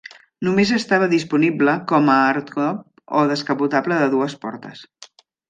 Només estava disponible com a hardtop o descapotable de dues portes.